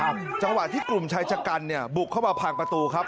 จังหวะที่กลุ่มชายชะกันเนี่ยบุกเข้ามาพังประตูครับ